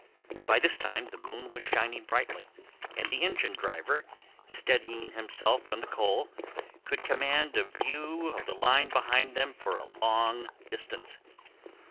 By this time the moon was shining brightly, and the engine driver, steadying himself on the coal, could command a view of the line behind them for a long distance.